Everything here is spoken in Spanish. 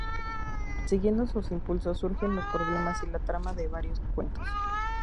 Siguiendo sus impulsos surgen los problemas y la trama de varios cuentos.